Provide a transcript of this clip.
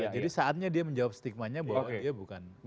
jadi saatnya dia menjawab stigmanya bahwa dia bukan